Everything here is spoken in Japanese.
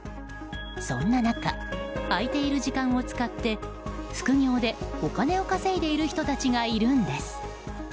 そんな中空いている時間を使って副業でお金を稼いでいる人たちがいるんです。